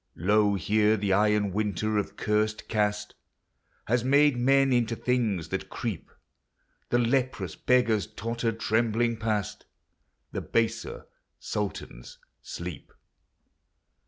Lo here the iron winter of curst caste Has made men into things that creep; The leprous beggars totter trembling past; The baser sultans sleep.